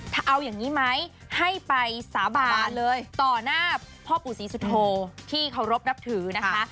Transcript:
ถ้าเอาอย่างนี้ไหมให้ไปสาบานเลยต่อหน้าพ่อปู่ศรีสุโธที่เคารพนับถือนะคะ